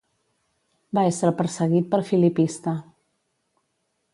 Va ésser perseguit per filipista.